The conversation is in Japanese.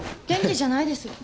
元気じゃないです。